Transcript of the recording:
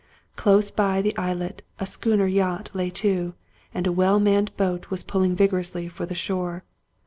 Close by the islet a schooner yacht lay to, and a well manned boat was pulling vigorously for the shore.